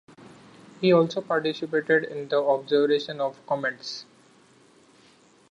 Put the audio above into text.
He also participated in the observation of comets.